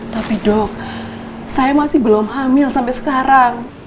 tapi dok saya masih belum hamil sampai sekarang